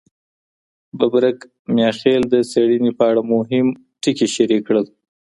ببرک میاخیل د څېړني په اړه مهم ټکي شریک کړل.